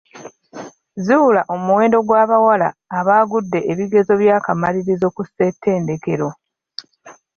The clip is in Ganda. Zuula omuwendo gw'abawala abaagudde ebigezo by'akamalirizo ku ssetendekero.